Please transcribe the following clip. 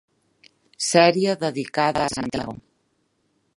Sèrie dedicada a Santiago.